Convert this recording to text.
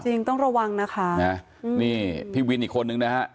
จริงต้องระวังนะคะนี่พี่วินอีกคนนึงนะฮะ